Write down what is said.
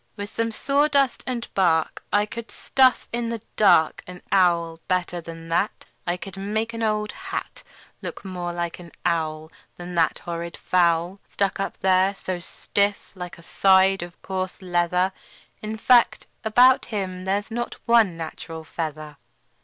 "With some sawdust and bark I could stuff in the dark An owl better than that. I could make an old hat Look more like an owl Than that horrid fowl, Stuck up there so stiff like a side of coarse leather. In fact, about him there's not one natural feather."